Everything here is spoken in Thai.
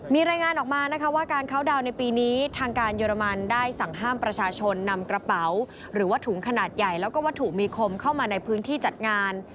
มีรายงานออกมานะคะว่าการเข้าดาวน์ในปีนี้ทางการเยอรมันได้สั่งห้ามประชาชนนำกระเป๋าหรือว่าถุงขนาดใหญ่แล้วก็วัตถุมีคมเข้ามาในพื้นที่จัดงาน